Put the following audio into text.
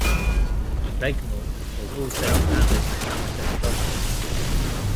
Regnault was also an avid amateur photographer.